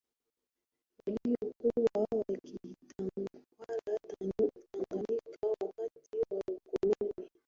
waliokuwa wakiitawala Tanganyika wakati wa ukoloni